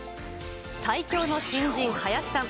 最強の新人、林さん。